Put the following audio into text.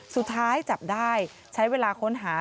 สุดท้ายจับได้ใช้เวลาค้นหา